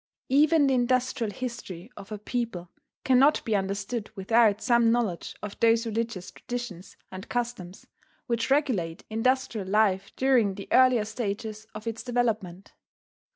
Even the industrial history of a people cannot be understood without some knowledge of those religious traditions and customs which regulate industrial life during the earlier stages of its development